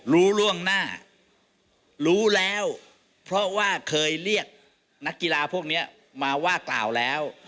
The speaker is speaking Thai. รู้ล่วงหน้ารู้แล้วเพราะว่าเคยเรียกนักกีฬาพวกนี้มาว่ากล่าวแล้ว